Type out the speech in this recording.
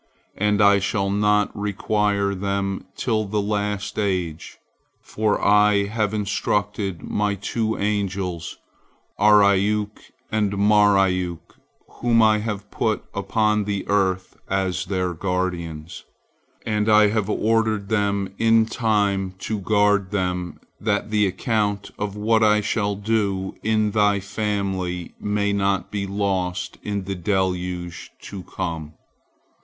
And I shall not require them till the last age, for I have instructed My two angels, Ariuk and Mariuk, whom I have put upon the earth as their guardians, and I have ordered them in time to guard them, that the account of what I shall do in thy family may not be lost in the deluge to come.